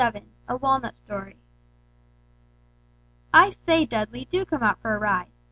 VII A WALNUT STOKY "I say, Dudley, do come out for a ride!